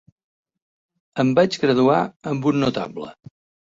Em vaig graduar amb un notable.